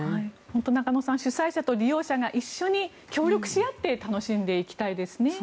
本当、中野さん主催者と利用者が一緒に協力し合って楽しんでいきたいですね。